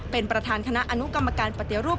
เป็นประธานคณะอนุกรรมการปฏิรูป